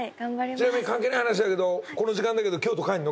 ちなみに関係ない話だけどこの時間だけど京都帰るの？